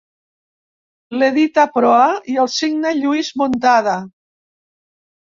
L'edita Proa i el signa Lluís Muntada.